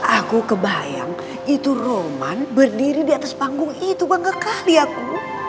aku kebayang itu roman berdiri di atas panggung itu bangga sekali aku